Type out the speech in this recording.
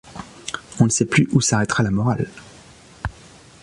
On ne sait plus où s’arrêtera la morale?...